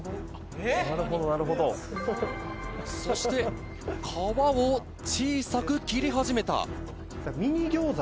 そして皮を小さく切り始めた。